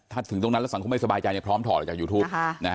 ถ้าถึงตรงนั้นแล้วสังคมไม่สบายใจพร้อมถอดออกจากยูทูป